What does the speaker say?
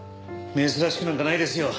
珍しくなんかないですよ。